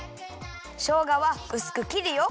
しょうがはうすくきるよ。